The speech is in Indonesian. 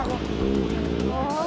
kalau dia bisa